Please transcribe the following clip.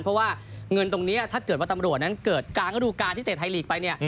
เพราะว่าเงินตรงนี้ถ้าเกิดว่าตำรวจนั้นเกิดกลางระดูการที่เตะไทยลีกไปเนี่ย